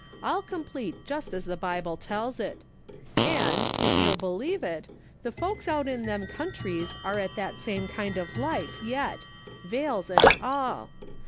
All complete just as the Bible tells it. And, if you'll believe it, the folks out in them coun tries are at that same kind of life yet ; veils and all.